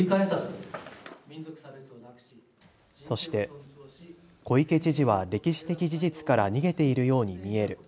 そして小池知事は歴史的事実から逃げているように見える。